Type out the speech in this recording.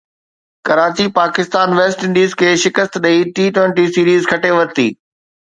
Karachi Pakistan West Indies کي شڪست ڏئي ٽي ٽوئنٽي سيريز کٽي ورتي